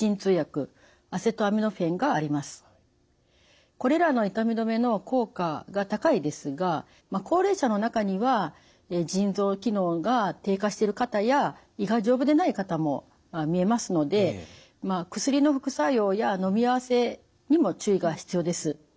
主にはこれらの痛み止めの効果が高いですが高齢者の中には腎臓機能が低下してる方や胃が丈夫でない方もみえますので薬の副作用やのみ合わせにも注意が必要です。